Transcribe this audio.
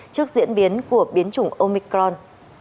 trước diễn biến của biến chủng omicron